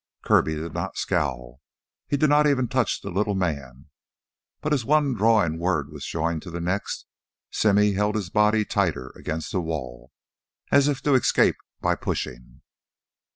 Kirby did not scowl, he did not even touch the little man. But as one drawling word was joined to the next, Simmy held his body tighter against the wall, as if to escape by pushing.